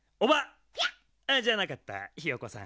ピャッ⁉じゃなかったひよこさん。